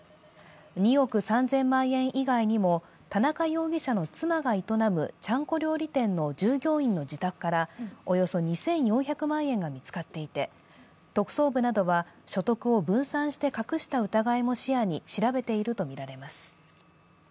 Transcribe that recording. ２億３０００万円以外にも、田中容疑者の妻が営むちゃんこ料理店の従業員の自宅からおよそ２４００万円が見つかっていて、特捜部などは、所得を分散して隠した疑いも視野に調べているとみられます。